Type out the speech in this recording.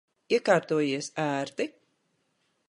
Iekārtojies ērti?